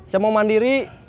saya mau mandiri